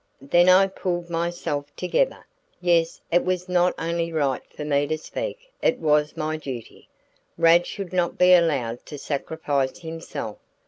Then I pulled myself together. Yes, it was not only right for me to speak; it was my duty. Rad should not be allowed to sacrifice himself.